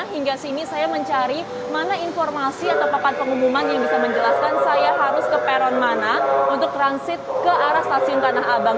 hingga sini saya mencari mana informasi atau papan pengumuman yang bisa menjelaskan saya harus ke peron mana untuk transit ke arah stasiun tanah abang